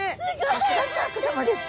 さすがシャークさまです。